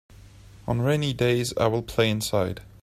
On rainy days I will play inside.